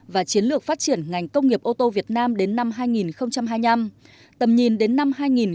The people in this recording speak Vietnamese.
và chiến lược phát triển ngành công nghiệp ô tô việt nam đến năm hai nghìn hai mươi năm tầm nhìn đến năm hai nghìn ba mươi